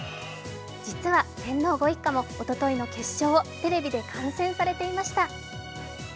実は天皇ご一家もおとといの決勝をテレビで観戦されていました。